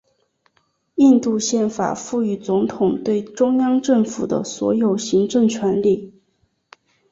印度宪法赋予总统对中央政府的所有行政权力。